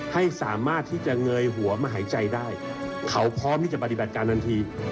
ให้สามารถที่จะเงยหัวมาหายใจได้เขาพร้อมที่จะปฏิบัติการทันที